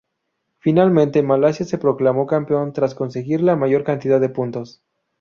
Finalmente, Malasia se proclamó campeón tras conseguir la mayor cantidad de puntos.